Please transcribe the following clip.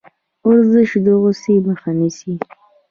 ورزش د غوسې مخه نیسي.